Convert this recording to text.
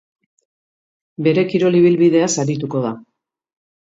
Bere kirol ibilbideaz arituko da.